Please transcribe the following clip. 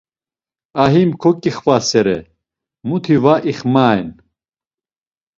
A him ǩoǩixvasere, muti va ixmaen?